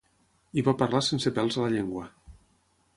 I va parlar sense pèls a la llengua.